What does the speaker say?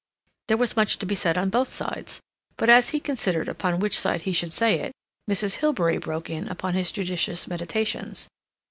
There was much to be said on both sides, but as he considered upon which side he should say it, Mrs. Hilbery broke in upon his judicious meditations.